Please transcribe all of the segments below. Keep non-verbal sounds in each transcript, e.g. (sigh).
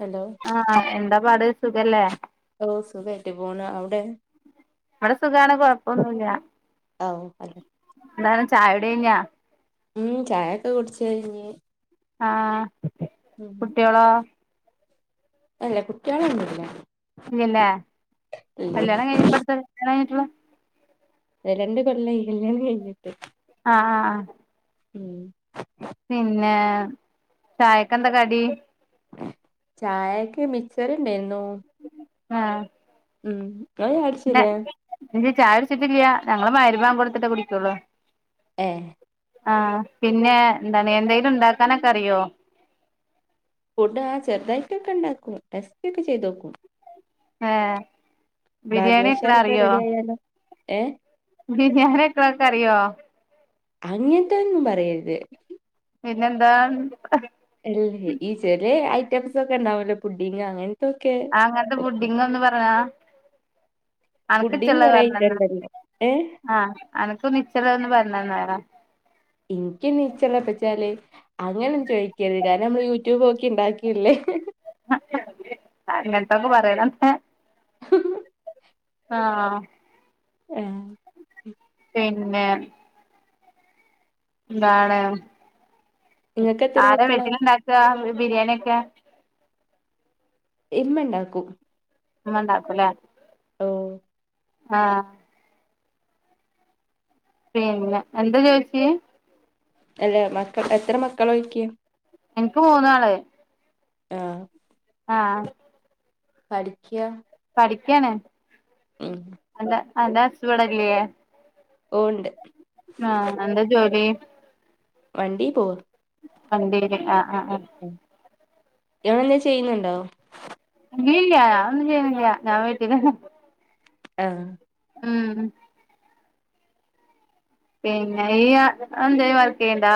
Hello ആഹ് ആഹ് എന്താ പാട്, സുഖല്ലേ? ഓഹ് സുഖായ്ട്ട് പോണ്, അവ്ടെ? ഇവടെ സുഖാണ് കൊഴ്പ്പൊന്നുല്ല. ആവു അല്ല എന്താണ് ചായുട്യയ്ഞ്ഞാ? ഉം ചായൊക്കെ കുട്ച്ച് കഴിഞ്ഞ് ആഹ്, ഉം കുട്ട്യാളോ? ഇല്ല, കുട്ട്യാളൊന്നുല്ല. ഇല്ല്യല്ലേ. കല്യാണം കഴ്ഞ്ഞ് ഇപ്പട്ത്ത കല്ല്യാണം കയ്ഞ്ഞ്ട്ടൊള്ളു? ഒന്ന് രണ്ട് കൊല്ലായി കല്ല്യാണം കയ്ഞ്ഞിട്ട്. ആഹ് ആഹ് ആഹ്. ഉം പിന്നേ, ചായക്കെന്താ കടീ? ചായക്കാ മിസർച്ചറ്ണ്ടേര്ന്നൂ. ആഹ് ഉം ഇങ്ങള് ചായ ന്നെ കുടിച്ചില്ലേ ഇല്ല്യ ചായുട്ച്ചിട്ടില്ല്യാ. ഞങ്ങള് മഗ്രിബാങ്കൊട്ത്ത്ട്ടേ കുടിക്കൊള്ളു. ഏഹ് ആ പിന്നെ എന്താണ് എന്തെങ്കിലും ഉണ്ടാക്കാനൊക്കെ അറിയോ ഫുഡ് ആ ചെറുതായിട്ടൊക്കെ ഉണ്ടാക്കും ടെസ്റ്റക്കെ ചെയ്തോക്കും ആഹ് ഭാഗ്യവശാലൊക്കെ റെഡി ആയാലോ ഏഹ് ബിരിയാണിത്ര ഒക്ക അറിയോ അങ്ങനത്തന്നും പറയരുത് പിന്നെന്താ അല്ലേ ഈ ചെറില ഐറ്റംസ് ഒക്കെ ഉണ്ടാവല്ലോ പുഡിങ് അങ്ങനത്തൊക്കെ അങ്ങനത്തെ ഓക്കെ പുഡിങ്ങൊന്ന് പറഞ്ഞ അനക്ക് പുഡിങ് ഇിച്ചല ഒന്ന് കൊറെ ഐറ്റം പറഞ്ഞന്ന ഉണ്ടല്ലോ ഏഹ് ആഹ് അനക്ക് നിച്ചല ഒന്ന് പറഞ്ഞ തന്ന വരാ എനിക്ക്നിച്ചള്ളപ്പച്ചാല് അങ്ങനും ചോദിക്കരുത് കാരണം നമ്മള് യൂട്യൂബ് നോക്കി ഉണ്ടാക്കിയല്ലേ ആഹ് ഇങ്ങനത്തൊക്കെ പറയണം ആഹ് ആഹ് പിന്നെ എന്താണ് നിങ്ങൾക്ക് എത്ര ആര മക്കളാ വെജ്ലുണ്ടാക്കുക ബിരിയാണിയൊക്കെ ഇമ്മ ഉണ്ടാക്കും ഇമ്മ ഉണ്ടാക്കും ല്ലേ ഓ ആഹ് പിന്നെ എന്താ ചോയിച്ച് അല്ലെ മക്കൾ എത്ര മക്കളോയ്ക്ക് എൻക്ക് മൂന്നാള് ആഹ് ആഹ് പഠിക്യാ പഠിക്കാണ് ഉം അത അഗാസ് ഇവടല്ലിയെ ഓ ഒണ്ട് ങാ എന്താ ജോലി വണ്ടി പോർ വണ്ടീ ആഹ ആഹ് ആഹ് ഇയാളെന്തെ ചെയ്യുന്നുണ്ടോ ഇല്ല ഞഒന്നും ചെയ്യുന്നില്ല ഞാൻ വീട്ടീില് ആഹ് ഉം പിന്നെ ഈയ എ ന്തെയ വർക്ക്‌ ചെയണ്ടാ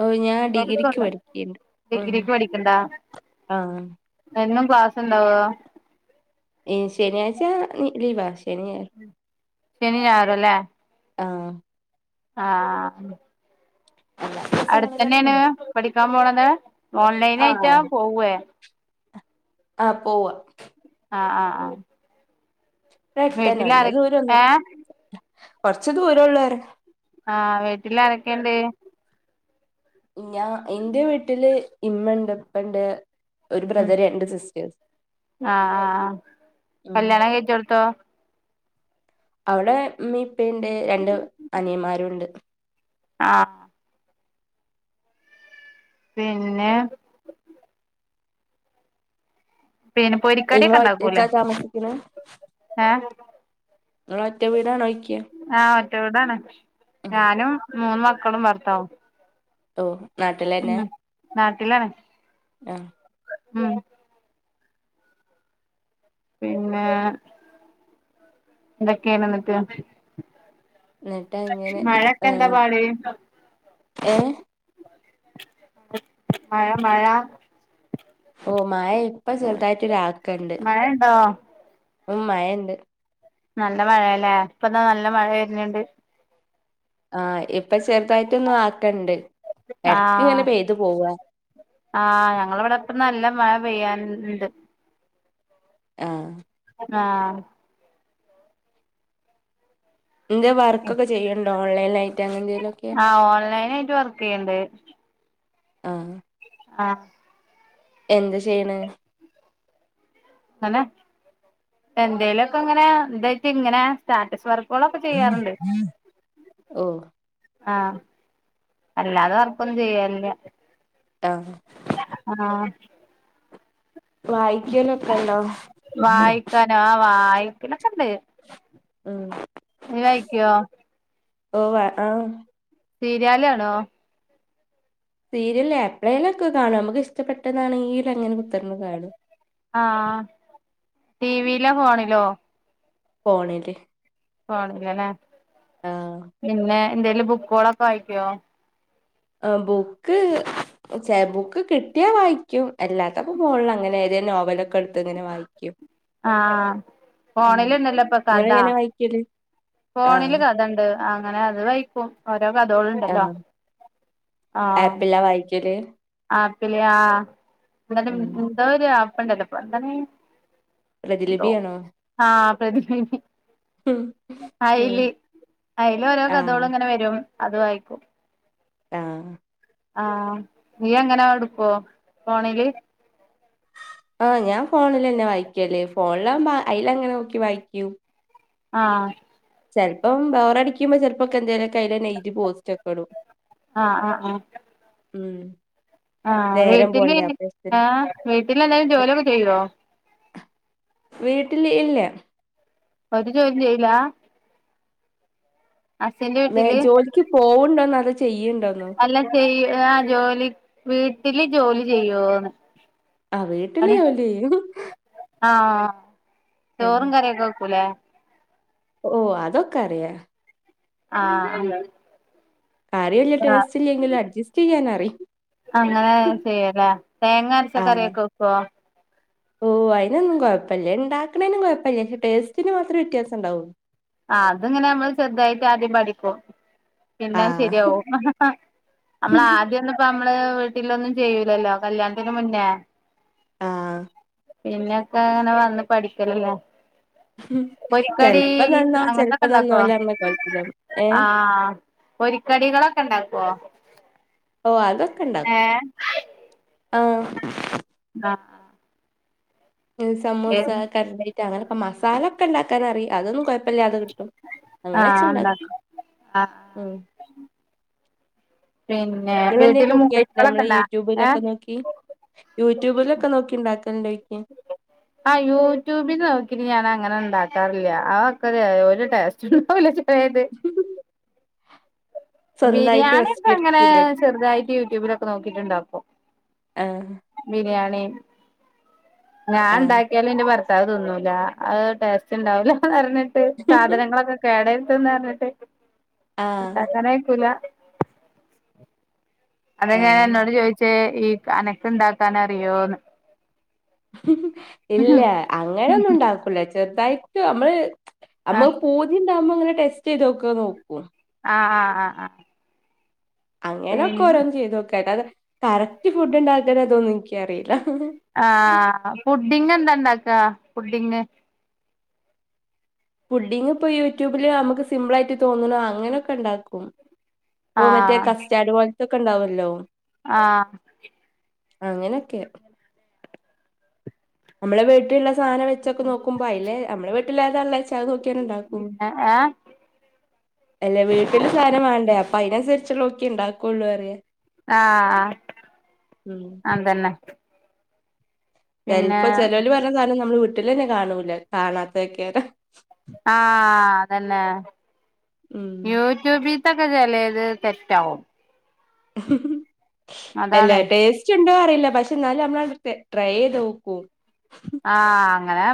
ഓ ഞാൻ ഡിഗ്രിക്ക് പഠക്കിണ്ട് ഉം ഡിഗ്രിക്ക് പഠിക്കണ്ടാ ആഹ് എന്നും ക്ലാസ്ണ്ടാവോ എ് ശനിയാഴ്ച നി ലീവാ ശനീം ഞാ ശനിം ഞായറുല്ലേ ആഹ് ആ അല്ലാത്ത ദിവസങ്ങളിലൊക്കെ അടുത്തെന്നെണ് പഠിക്കാൻ പോണത് ഓൺലൈൻ ആഹ് ആയിട്ടാ പോവുവേ ആഹ് പോവുവാ ആഹ് ആഹ് ആഹ് ഇവടുത്തന്നെ വീട്ടിലാര വല്ല്യ ദൂരൊന്നും ഏഹ് കൊറച്ച് ദൂരള്ളറയും ആഹ് വീട്ടിലാരൊക്കെ ഇണ്ട് ഞാ ഇൻ്റെ വീട്ടില് ഇമ്മ ഇണ്ട് ഉപ്പണ്ട് ഒരു ഉം ബ്രദർ രണ്ട് സിസ്റ്റേഴ്സ് ആഹ് ആഹ് ആഹ് ഉം കല്യാണം കഴിച്ചൊടുത്തോ അവിടെ ഇമ്മേം ഉപ്പേണ്ട് രണ്ട് അനിയന്മാരും ഉണ്ട് ആഹ് പിന്നെ പിന്നെ ഇങ്ങള് പൊരിക്കടിക്കെ ഇണ്ടാക്കൂല്ലേ ഒറ്റക്കാ താമസിക്കണെ ഏഹ് ഇങ്ങള് ഒറ്റ വീടാണോ ഇരിക്ക ആഹ് ഒറ്റ വീടാണ് ഞാനും മൂന്ന് മക്കളും ഭർത്താവും ഓഹ് നാട്ടിലെന്നെ ഉം നാട്ടിലാണ് ആഹ് ഉം പിന്നെ എന്തൊക്കെ ആണ് എന്നിട്ട് എന്നിട്ട് അങ്ങനെ മഴൊക്കെ എന്താ ഏഹ് പാട് ഏഹ് മഴ മഴ ഓഹ് മയ ഇപ്പ ചെറുതായിട്ട് ഒരാക്ക്ണ്ട് മഴ ഇണ്ടോ ഇപ്പം മയെണ്ട് നല്ല മഴാല്ലേ ഇപ്പന്താ നല്ല മഴ വര്ണണ്ട് ആഹ് ഇപ്പൊ ചെറുതായിട്ട് ഒന്ന് ആക്കണ്ട് എടക്ക് ഇങ്ങനെ ആഹ് പെയ്തു പോവാ ആഹ് ഞങ്ങളവടെപ്പ നല്ല മഴ പെയ്യാൻ ഇണ്ട് ആഹ് ആഹ് എന്തേലും വർക്കൊക്കെ ചെയ്യ്ണ്ടോ ഓൺലൈനായിട്ട് അങ്ങനെന്തേലും ആഹ് ഓൺലൈൻ ആയിട്ട് വർക്കെയ്യണ്ട് ആഹ് ആഹ് എന്ത് ചെയ്യണ് ഇങ്ങനെ എന്തേലൊക്കെ ഇങ്ങനെ ഇതായിട്ട് ഇങ്ങനെ സ്റ്റാറ്റസ് വർക്ക് ഓളൊക്കെ ചെയ്യാറുണ്ട് ഓഹ് ആഹ് അല്ലാതെ വർക്കൊന്നും ചെയ്യാറില്ല ആഹ് ആഹ് വായിക്കലൊക്കെണ്ടോ വായിക്കാനോ ആഹ് വായിക്കലൊക്കെണ്ട് ഉം നീ വായിക്കോ ഒവ്വ് ആഹ് സീര്യാലാണോ സീരിയൽ എപ്പഴേലൊക്കെ കാണും മുക്ക് ഇഷ്ടപ്പെട്ടതാണെങ്കി അങ്ങനെ കുത്തിറിന്ന് കാണും ആ ടി വിയിലോ ഫോണിലോ ഫോണില് ഫോണിലലേ ആഹ് പിന്നെ എന്തേലും ബുക്കോളൊക്ക വായിക്കോ ആഹ് ബുക്ക് ബുക്ക് കിട്ടിയാ വായിക്കും എല്ലാത്തപ്പൊ ഫോണില അങ്ങനെ ഏതോ നോവലൊക്ക ഇട്ത്ത് ഇങ്ങനെ വായിക്കും ആഹ് ഫോണില് ഇണ്ടല്ലൊ ഇപ്പൊ കഥ കിർല് ഫോണില് കഥ ഇണ്ട് അങ്ങനെ അത് വായിക്കും ഓരോ കഥോളണ്ടല്ലൊ ആഹ് ആഹ് ആപ്പിലാ വായിക്കല് ആപ്പില് ആഹ് എന്താ ഉം എന്തോര് ആപ്പ് ഇണ്ടലൊ ഇപ്പൊ എന്തണ് പ്രതിലിബിയാണൊ ആഹ് പ്രതിലിബി ഉം അയ്ല് അയ്ലോരോ ആഹ് കഥോള് ഇങ്ങനെ വരും അത് വായിക്കും ആഹ് ആഹ് നീ അങ്ങനാ ഇട്ക്കോ ഫോണില് ആഹ് ഞാൻ ഫോണിലെന്നെ വായിക്കല് ഫോണിലാവുമ്പൊ അയ്ല അങ്ങനെ നോക്കി വായിക്കും ആഹ് ചെൽപ്പം ബോറടിക്കുമ്പൊ ചെൽപ്പൊക്ക എന്തേലൊക അയ്ലന്നെ എഴ്തി പോസ്റ്റ് ഒക്ക ഇടും ആഹ് ആഹ് ആഹ് ഉം ആഹ് നേരം വീട്ടില് പോണ്ടേ അപ്പഴത്തിന് ആഹ് വീട്ടില് എന്തായാലും ജോലിയൊക്ക ചെയ്യോ വീട്ടില് ഇല്ല ഒരു ജോലി ചെയ്യിലാ അസിന്റെ വീട്ടില് ജോലിക്ക് പോവ്ണ്ടേന്ന് അതോ ചെയ്യ്ൺണ്ടോന്നോ അല്ല ചെയ്യ ആഹ് ജോലി വീട്ടില് ജോലി ചെയ്യോന്ന് ആഹ് വീട്ടില് പണി ജോലി ചെയ്യും ആഹ് ഉം ചോറും കറിയൊക്ക വെക്കുലേ ഓഹ് അതൊക്കറിയ ആഹ് ആ കറി വല്ല്യ ടേസ്റ്റ് ഇല്ലെങ്കിലും അഡ്ജസ്റ്റിയ്യാനറിയ അങ്ങനെ ചെയ്യാലെ തേങ്ങ അരച്ച ആഹ് കറിയൊക്ക വെക്കോ ഓഹ് അതിനൊന്നും കൊഴപ്പല്ല ഇണ്ടാക്ക്ണേനും കൊഴപ്പല്ല പക്ഷേ ടേസ്റ്റിന് മാത്രെ വ്യത്യാസണ്ടാവു ആഹ് അത് ഇങ്ങനെ നമ്മൾ ചെറുതായിട്ട് ആദ്യം പഠിക്കും പിന്നെ ആഹ് ശരിയാവും ആഹ് നമ്മള ആദ്യം ഇപ്പൊ നമ്മള് വീട്ടിലൊന്നും ചെയ്യൂലലൊ കല്യാണത്തിന് മുന്നേ ആഹ് പിന്നെയൊക്ക അങ്ങനെ വന്ന് പഠിക്കലല്ലെ ചെൽപ്പൊ നന്നാവും ചെൽപ്പൊ അങ്ങനത്തൊക്കെ ഉണ്ടാക്കോ നന്നാവുല നമ്മളെ കോല്ത്തിലാണ് ഏഹ് ആഹ് പൊരിക്കടികളൊക്ക ഇണ്ടാക്കൊ ഓഹ് അതൊക്ക ഇണ്ടാക്കും ഏഹ് ആഹ് ആഹ് സമോസ ഏഹ് കട്ട്ലേറ്റ് അങ്ങനെയൊക്കെ മസാല ഒക്ക ഇണ്ടാക്കാനറിയും അതൊന്നും കൊഴപ്പല്ല ഇപ്പല്ലാതെ കിട്ടും അങ്ങനെ വെച്ച് ഇണ്ടാക്കും ആഹ് ഉം പിൻ ഇങ്ങളെന്തേ കുക്കിയോ നമ്മളെ യൂട്യൂബിലൊക്ക ഏഹ് നോക്കി യൂട്യൂബിലൊക്ക നോക്കി ഇണ്ടാക്കലണ്ടൊയിക്ക ആ യൂട്യൂബില് നോക്കിട്ട് ഞാൻ അങ്ങനെ ഉണ്ടാക്കാറില്ല അവൊക്ക ഒരു ഒരു ടേസ്റ്റ് ഉണ്ടാവില്ല ചെ (unintelligible) സ്വന്തായിട്ട് ബിരിയാണി ഒക്കെ റെസിപ്പി അങ്ങനെ എടുത്ത്ണ്ടാക്കും. ചെറുതായിട്ട് യൂട്യൂബിലൊക്കെ നോക്കിട്ട് ഉണ്ടാക്കും ആഹ് ബിരിയാണി ഞാൻ ആഹ് ഉണ്ടാക്കിയാലും എന്റെ ഭർ ഭർത്താവ് തിന്നൂല്ല അത് ടേസ്റ്റ് ഉണ്ടാവൂലാന്ന് പറഞ്ഞിട്ട് സാധനങ്ങളൊക്കെ കേടായി തിന്നാന്ന് പറഞ്ഞിട്ട് ആഹ് ഉണ്ടാക്കാനയക്കൂല അതാ ഞാൻ ആഹ് അന്നോട് ചോയിച്ചേ ഈ അനക്കുണ്ടാക്കാൻ അറിയോന്ന് ഇല്ല അങ്ങനെ ഒന്നും ഉണ്ടാക്കൂല്ല ചെറുതായിട്ട് നമ്മള് നമ്മ ആഹ് പൂതിയുണ്ടാവുമ്പോ ഇങ്ങനെ ടെസ്റ്റ് ചെയ്ത് ഒക്കെ നോക്കും ആഹ് ആഹ് ആഹ് ആ അങ്ങനൊക്കെ ഓരോന്ന് ചെയ്തോക്കും അല്ലാതെ കറക്റ്റ് ഫുഡ് ഉണ്ടാക്കലതൊന്നും എനിക്കറിയില്ല ആഹ് പുഡിങ് എന്താ ഇണ്ടാക്കാ പുഡിങ് പുഡിങ് ഇപ്പൊ യൂട്യൂബില് നമുക്ക് സിമ്പിളായിട്ട് തോന്നുണേ അങ്ങനെയൊക്കെ ഇണ്ടാക്കും ഇപ്പൊ മറ്റേ ആഹ് കസ്റ്റാർഡ് പോലത്തൊക്കെ ഉണ്ടാവുവല്ലോ ആഹ് അങ്ങനൊക്കെ നമ്മളെ വീട്ടിലുള്ള സാധനം വെച്ചൊക്കെ നോക്കുമ്പോ അയില് നമ്മെളെ വീട്ടിലേതാ ഉള്ളേച്ചാ അത് നോക്കിയങ്ങ്ണ്ടാക്കും ഉം എഏഹ് അല്ല വീട്ടില് സാധനം വേണ്ടേ അപ്പൊ അയിനനുസരിച്ചുള്ളോക്കെ ഉണ്ടാക്കുള്ളൂന്നു പറയ്യാ ആഹ് ആ ഉം അതന്നെ പിന്നെ ചെലപ്പോ ചെലോല് പറഞ്ഞ സാധനം നമ്മള് വീട്ടിലന്നെ കാണൂല കാണാത്തതൊക്കെയാരോ ആഹ് തന്നെ ഉം യൂ ട്യൂബിതൊക്കെ ചെലേത് തെറ്റാവും ഉം അതാണ് അല്ലാട്ടോ ഏസ് ച്ചു ഉണ്ടോ അറിയില്ല പക്ഷെ എന്നാലും നമ്മളത് ട്രൈ ചെയ്തോക്കും ആഹ് അങ്ങനെ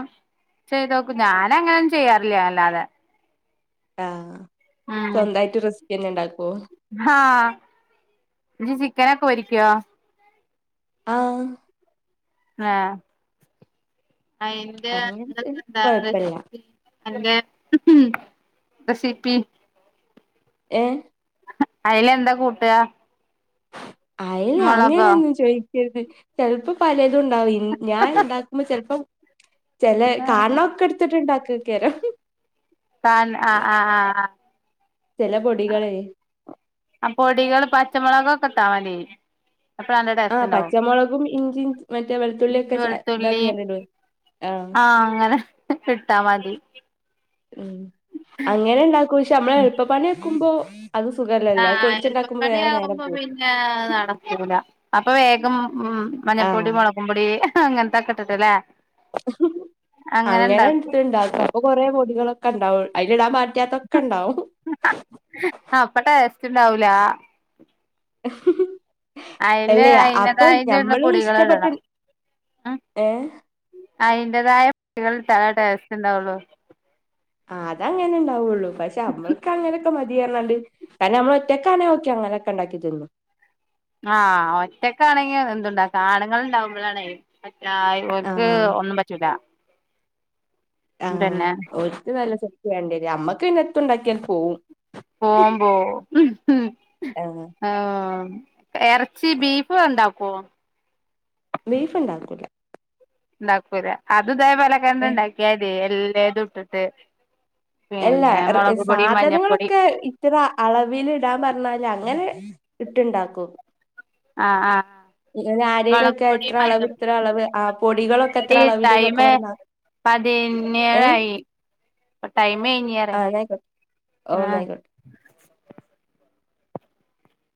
ചെയ്തോക്കും ഞാനങ്ങനൊന്നും ചെയ്യാറില്ല അല്ലാതെ ആഹ് ഉം സ്വന്തായിട്ട് റെസ്പ്പി തന്നെ ഉണ്ടാക്കോ ആഹ് നീ ചിക്കനൊക്കെ പൊരിക്കോ ആഹ് ആഹ് അയിന്റെ അങ്ങനത്തെ എന്തൊക്കെ എന്താണ് (inaudible) കൊഴപ്പല്ല അൻ്റെ മം മ്ഹ് റെസിപ്പി ഏഹ് അയിലെന്താ കൂട്ടുകാ അയില് അങ്ങനൊന്നും ചോയിക്കരുത് ചെലപ്പം ഇപ്പ പലതും ഉണ്ടാവും ഞാൻ ഉണ്ടാക്കുമ്പോ ചെലപ്പം ചെലെ കാരണൊക്കെ എടുത്തിട്ടുണ്ടാക്ക് കാരം താൻ ആ ആ ആ ആഹ് ചെല പൊടികളെ ആ പൊടികൾ പച്ചമുളകൊക്കെ ഇട്ടാ മതി അപ്പോ അന്നടെ ആഹ് പച്ചമുളകും ഇഞ്ചിയും മറ്റേ വെളുത്തുള്ളിയൊക്കെ ചെ ഏ വെളുത്തുള്ളി ഇതാക്കി അങ്ങിട് ആഹ് അങ്ങനെ കിട്ടാ മതി ഹ്മം അങ്ങനെ ഇണ്ടാക്കും പക്ഷേ നമ്മള് എളുപ്പപ്പണിടുക്കുമ്പോ അത് സുഖല്ലല്ലോ അത് തൊളിച്ചുണ്ടാക്കുമ്പോ വേറെ നേരം പോം ല്ലാ നടക്കൂല അപ്പൊ വേഗം ഉം ഉം മഞ്ഞൾപ്പൊടി ആഹ് മൊളകും പൊടി അങ്ങൻത്തൊക്കെ ഇട്ടിട്ട്ലെ അങ്ങനെണ് ഇട്ട് ഇണ്ടാക്കും ഇപ്പൊ കൊറേ പൊടികളൊക്കെ ഇണ്ടാവും അതിലിടാൻ പറ്റാത്തൊക്കെ ഇണ്ടാവും അപ്പ ടേസ്റ്റ് ഇണ്ടാവൂല ഉം അയില് അയിന്റതായിട്ട്ള്ള ഞമ്മള് പൊടികളിടണം ഇഷ്ടപ്പെട്ട് ഉം ഏഹ് അയിന്റതായ പൊടികളിട്ടാലേ ടെസ്റ്റ് ഇണ്ടാവൊള്ളു ആഹ് അതങ്ങനെ ഇണ്ടാവുള്ളൂ പക്ഷെ അമ്മൾക്കങ്ങനെ ക്കെ മതിയർഞാണ്ട് കാരണം അമ്മൾ ഒറ്റക്കാണെ അങ്ങനൊക്കെ ഇണ്ടാക്കി തിന്നും ആഹ് ഒറ്റക്കാണെങ്കി എതുണ്ടാക്കാ ആണ്ങ്ങൾ ഇണ്ടാവുമ്പളാണെ പറ്റാ ഓൽക്ക് ആഹ് ഒന്നും പറ്റൂല. ആഹ് പിന്നെ ഓൽക്ക്‌ നല്ല ചേൽക്ക്‌ വേണ്ടി വരും, അമ്മക്ക് പിന്നെ ത്ത് ഇണ്ടാക്കിയാലും പോവും. പോവും പോവും അങ്ങനെ ആഹ് എറച്ചി ബീഫ് ഇണ്ടാക്കോ? ബീഫ് ഇണ്ടാക്കൂല ഇണ്ടാക്കൂല അത് ഇതേപോലെ കണ്ട് ഏ ഇണ്ടാക്കിയതി എല്ലേതും ഇട്ടിട്ട് എല്ല പിന്നെ മുളക് പൊടി മഞ്ഞപ്പൊടി സാധനങ്ങളൊക്കെ ഇ ഇത്ര അളവിൽ ഇടാ പറഞ്ഞാല് അങ്ങനെ ഇട്ട്ണ്ടാക്കും ആഹ് ആഹ് ഇങ്ങ മുളക് ആരേലൊക്കെ പൊടി ഇത്ര അളവ് ഇത്ര മഞ്ഞപ്പൊടി അളവ് ആ പൊടികളൊക്കെ ഇത്ര എടി അളവില് എന്നൊക്കെ ടൈമ് പറയ്മ്പൊ പതിനേഴായി ഇപ്പ ടൈമ് കയിഞ്ഞ് ആഹ് ഇന്നാ ആയിക്കോട്ടെ ഓഹ് ഇന്നാ ആയിക്കോട്ടെ